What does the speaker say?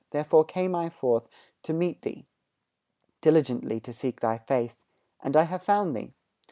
Therefore came I forth to meet thee, Diligently to seek thy face, And I have found thee.